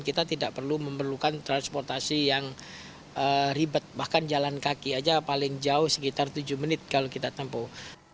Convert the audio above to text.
kita tidak perlu memerlukan transportasi yang ribet bahkan jalan kaki aja paling jauh sekitar tujuh menit kalau kita tempuh